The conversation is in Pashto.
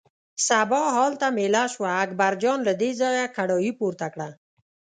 سبا هلته مېله شوه، اکبرجان له دې ځایه کړایی پورته کړه.